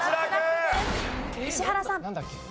石原さん。